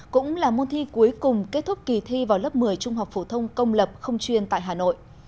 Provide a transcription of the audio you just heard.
cũng là môn thi cuối cùng kết thúc kỳ thi vào lớp một mươi trung học phổ thông công lập không chuyên tại hà nội